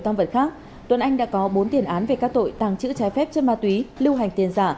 tăng vật khác tuấn anh đã có bốn tiền án về các tội tàng trữ trái phép chất ma túy lưu hành tiền giả